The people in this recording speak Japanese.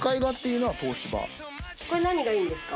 これ何がいいんですか？